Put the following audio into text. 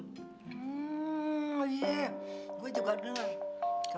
hmm iya gue juga denger